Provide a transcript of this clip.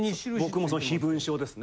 僕も飛蚊症ですね。